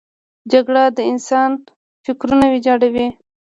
جګړه د انسان فکرونه ویجاړوي